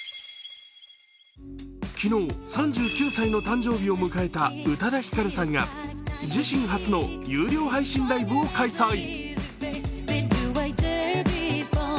昨日、３９歳の誕生日を迎えた宇多田ヒカルさんが自身初の有料配信ライブを開催。